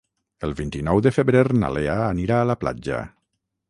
El vint-i-nou de febrer na Lea anirà a la platja.